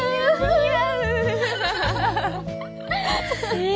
似合うえ